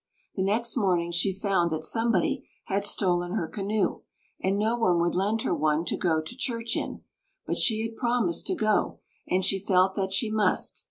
The next morning she found that somebody had stolen her canoe, and no one would lend her one to go to church in. But she had promised to go, and she felt that she must.